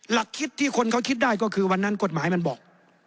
หลักคิดที่คนเขาคิดได้ก็คือวันนั้นกฎหมายมันบอก